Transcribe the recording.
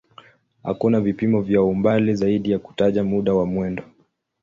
Hakuna vipimo vya umbali zaidi ya kutaja muda wa mwendo.